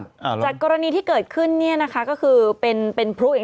จากกรณีที่เกิดขึ้นเนี้ยนะคะก็คือเป็นเป็นพลุอีก